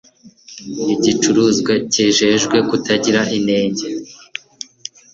igicuruzwa cyijejwe kutagira inenge